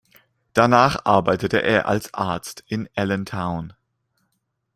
Danach arbeitete er als Arzt in Allentown.